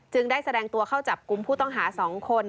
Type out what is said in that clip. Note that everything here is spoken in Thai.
ได้แสดงตัวเข้าจับกลุ่มผู้ต้องหา๒คน